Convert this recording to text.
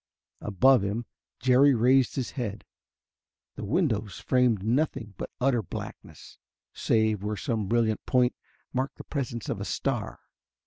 Above him, as Jerry raised his head, the windows framed nothing but utter blackness, save where some brilliant point marked the presence of a star.